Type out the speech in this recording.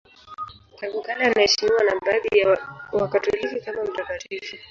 Tangu kale anaheshimiwa na baadhi ya Wakatoliki kama mtakatifu.